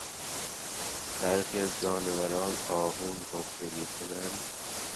برخی از جانوران آهون حفر میکنند.